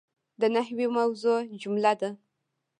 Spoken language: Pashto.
د نحوي موضوع جمله ده.